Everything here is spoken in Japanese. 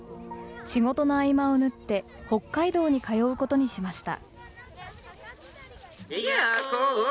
仕事の合間を縫って、北海道に通うことにしました。